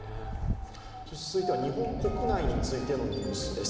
続いては日本国内についてのニュースです。